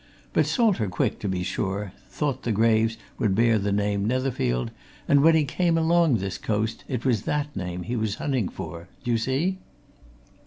But Salter Quick, to be sure, thought the graves would bear the name Netherfield, and when he came along this coast, it was that name he was hunting for. Do you see?"